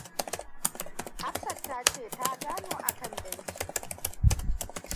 Hafsat ta ce ta gano akan banci.